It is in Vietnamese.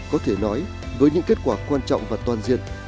có thể nói với những kết quả quan trọng